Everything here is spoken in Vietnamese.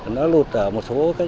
nó lụt ở một số các